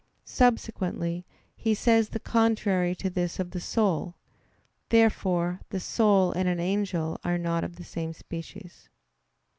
Subsequently he says the contrary to this of the soul. Therefore the soul and an angel are not of the same species.